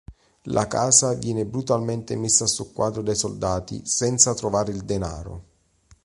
La casa viene brutalmente messa a soqquadro dai soldati, senza trovare il denaro.